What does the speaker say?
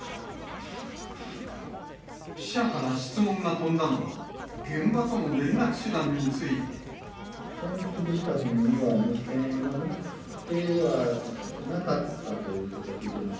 記者から質問が飛んだのは、転覆した船には、無線は載ってはなかったということを聞いてます。